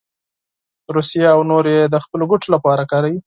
روسیه او نور یې د خپلو ګټو لپاره کاروي.